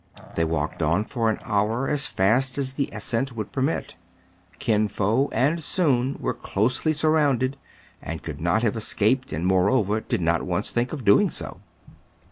They walked on for an hour as fast as the ascent would permit. Kin Fo and Soun were closely surrounded, and could not have escaped, and, moreover, did not once think of doing so.